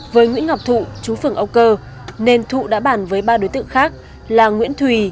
với nguyễn ngọc thụ chú phường âu cơ nên thụ đã bàn với ba đối tượng khác là nguyễn thùy